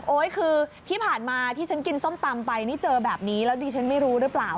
คือที่ผ่านมาที่ฉันกินส้มตำไปนี่เจอแบบนี้แล้วดิฉันไม่รู้หรือเปล่า